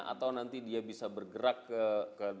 atau nanti dia bisa bergerak ke dalam